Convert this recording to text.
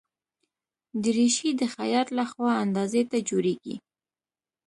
دریشي د خیاط له خوا اندازې ته جوړیږي.